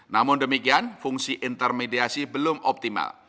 namun demikian fungsi intermediasi belum optimal